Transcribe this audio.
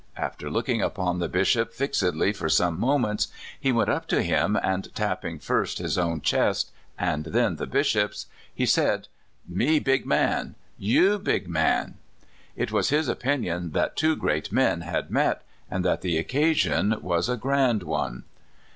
After looking upon the Bishop fixedly for some moments, he went up to him, and, tapping first his own chest and then the Bishop's, he said: " Me big man; you big man! " It was his opinion that two great men had met, and that the occasion was a grand one.